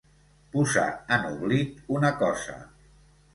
Posar en oblit una cosa.